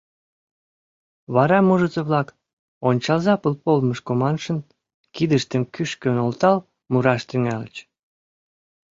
Вара мурызо-влак, «ончалза пылпомышко» маншын, кидыштым кӱшкӧ нӧлтал, мураш тӱҥальыч.